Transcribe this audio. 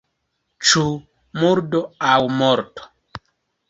Ĉu murdo aŭ morto?